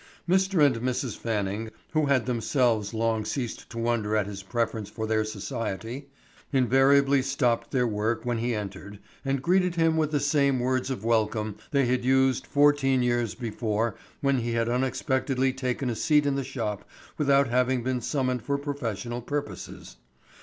Mr. and Mrs. Fanning, who had themselves long ceased to wonder at his preference for their society, invariably stopped their work when he entered and greeted him with the same words of welcome they had used fourteen years before when he had unexpectedly taken a seat in the shop without having been summoned for professional purposes.